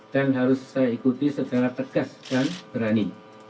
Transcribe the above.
dan harus saya ikuti secara tegas dan berani